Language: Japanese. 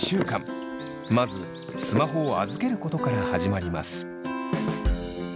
まずスマホを預けることから始まります。